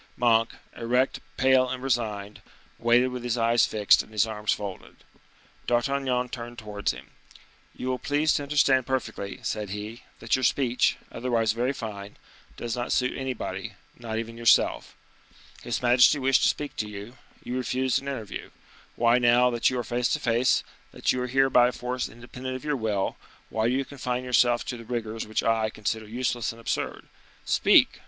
Monk, erect, pale, and resigned, waited with his eyes fixed and his arms folded. D'Artagnan turned towards him. "You will please to understand perfectly," said he, "that your speech, otherwise very fine, does not suit anybody, not even yourself. His majesty wished to speak to you, you refused an interview; why, now that you are face to face, that you are here by a force independent of your will, why do you confine yourself to the rigors which I consider useless and absurd? Speak!